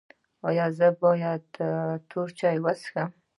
ایا زه باید تور چای وڅښم؟